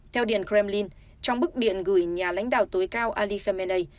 theo điện kremlin trong bức điện gửi nhà lãnh đạo tối cao ali khamenei